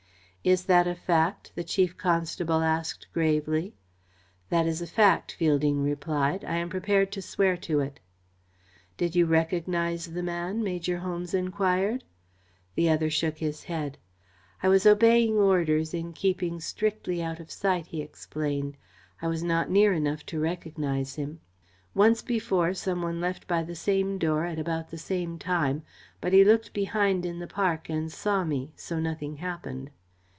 "Is that a fact?" the Chief Constable asked gravely. "That is a fact," Fielding replied. "I am prepared to swear to it." "Did you recognise the man?" Major Holmes enquired. The other shook his head. "I was obeying orders in keeping strictly out of sight," he explained. "I was not near enough to recognise him. Once before, some one left by the same door at about the same time, but he looked behind in the park and saw me, so nothing happened."